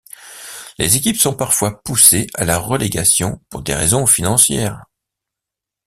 Les équipes sont parfois poussées à la relégation pour des raisons financières.